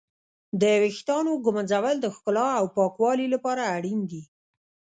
د ويښتانو ږمنځول د ښکلا او پاکوالي لپاره اړين دي.